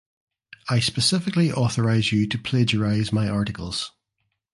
I specifically authorize you to plagiarize my articles.